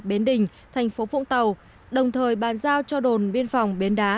bến đình thành phố vũng tàu đồng thời bàn giao cho đồn biên phòng bến đá